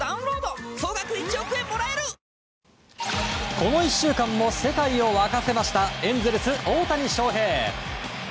この１週間も世界を沸かせましたエンゼルス、大谷翔平。